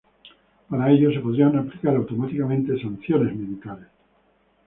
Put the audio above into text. Para ello se podrían aplicar automáticamente sanciones militares.